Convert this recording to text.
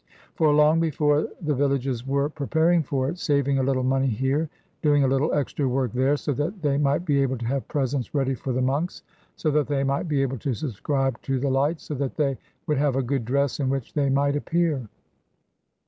For long before the villages were preparing for it, saving a little money here, doing a little extra work there, so that they might be able to have presents ready for the monks, so that they might be able to subscribe to the lights, so that they would have a good dress in which they might appear.